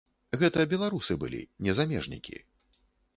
Гэта беларусы былі, не замежнікі.